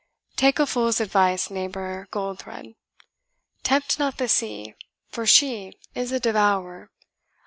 Take a fool's advice, neighbour Goldthred. Tempt not the sea, for she is a devourer.